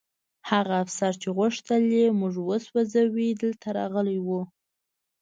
هغه افسر چې غوښتل یې موږ وسوځوي دلته راغلی و